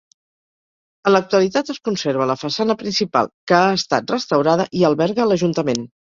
En l'actualitat, es conserva la façana principal que ha estat restaurada i alberga l'ajuntament.